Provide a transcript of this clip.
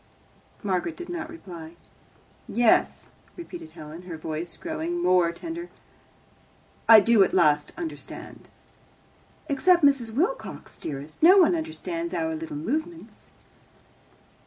Margaret did not reply. "Yes," repeated Helen, her voice growing more tender, "I do at last understand." "Except Mrs. Wilcox, dearest, no one understands our little movements."